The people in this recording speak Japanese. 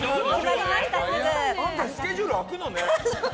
案外スケジュール空くのね。